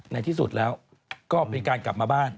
ในที่สุดแล้วก็มีการกลับมาบ้าน